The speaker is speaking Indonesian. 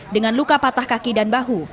dengan luka patah kaki dan bahu